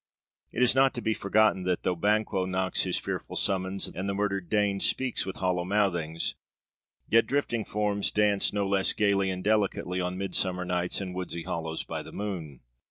It is not to be forgotten that, though Banquo knocks his fearful summons, and the murdered Dane speaks with hollow mouthings, yet drifting forms dance no less gayly and delicately on midsummer nights in woodsy hollows by the moon.